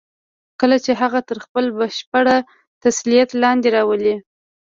کله چې هغه تر خپل بشپړ تسلط لاندې راولئ.